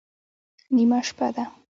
_نيمه شپه ده.